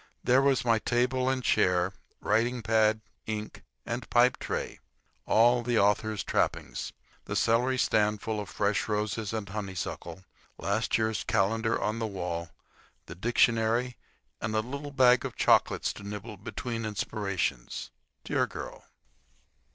There was my table and chair, writing pad, ink, and pipe tray. And all the author's trappings—the celery stand full of fresh roses and honeysuckle, last year's calendar on the wall, the dictionary, and a little bag of chocolates to nibble between inspirations. Dear girl!